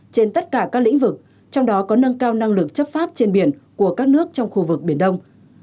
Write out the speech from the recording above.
trên tất cả các lĩnh vực trong đó có nâng cao năng lực chấp pháp trên biển của các nước trong khu vực biển đông